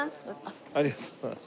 ありがとうございます。